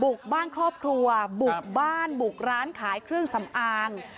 บ้านครอบครัวบุกบ้านบุกร้านขายเครื่องสำอาง